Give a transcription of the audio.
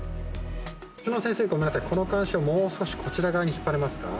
先生、ごめんなさいこの、かんしをもう少しこちらに引っ張れますか？